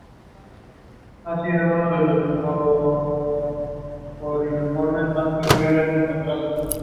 Beatrice Loayza said that it has "an empowering and incredibly progressive conclusion".